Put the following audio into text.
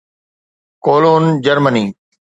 Cologne, Germany